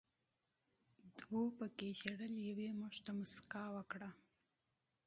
دوو پکې ژړل، یوې یې موږ ته موسکا وکړه.